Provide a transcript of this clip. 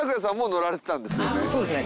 そうですね。